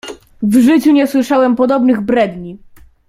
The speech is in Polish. "W życiu nie słyszałem podobnych bredni!"